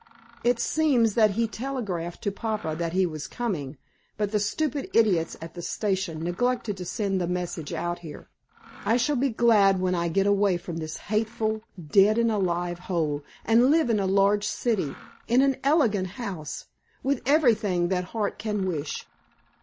It seems that he telegraphed to papa that he was coming; but the stupid idiots at the station neglected to send the message out here. I shall be glad when I get away from this hateful, dead and alive hole, and live in a large city, in an elegant house, with everything that heart can wish.